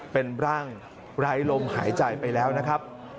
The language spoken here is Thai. เป็นร่างไร้ลมหายใจไปแล้วนะครับ